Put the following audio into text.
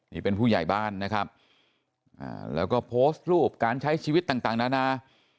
นี่เป็นผู้ใหญ่บ้านนะครับแล้วก็โพสต์รูปการใช้ชีวิตต่างนานา